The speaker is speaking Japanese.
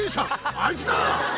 あいつだ。